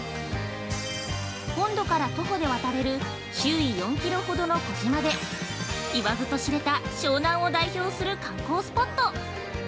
本土から徒歩で渡れる周囲４キロほどの小島で言わずと知れた湘南を代表する観光スポット。